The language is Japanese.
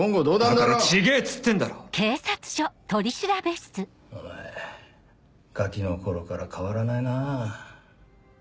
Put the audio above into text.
だから違ぇっつってんだろ！お前ガキの頃から変わらないなぁ。